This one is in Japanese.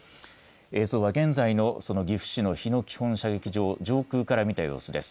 映像は現在のその岐阜市の日野基本射撃場を上空から見た様子です。